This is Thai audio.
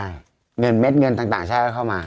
เงินเม็ดเงินต่างชาวเข้ามา